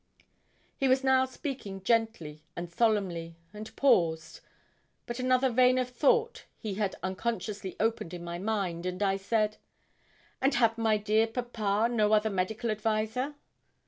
He was now speaking gently and solemnly, and paused. But another vein of thought he had unconsciously opened in my mind, and I said 'And had my dear papa no other medical adviser?'